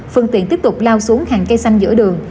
phương tiện tiếp tục lao xuống hàng cây xanh giữa đường